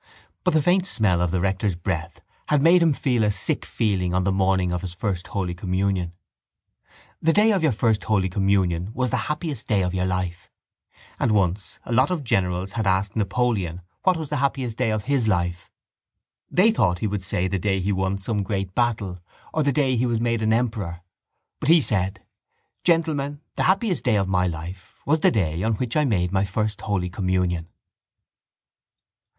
But the faint smell of the rector's breath had made him feel a sick feeling on the morning of his first communion. The day of your first communion was the happiest day of your life. And once a lot of generals had asked Napoleon what was the happiest day of his life. They thought he would say the day he won some great battle or the day he was made an emperor. But he said: —Gentlemen, the happiest day of my life was the day on which I made my first holy communion.